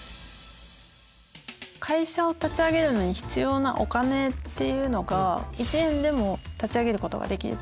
会社を立ち上げるのに必要なお金っていうのが１円でも立ち上げることができると。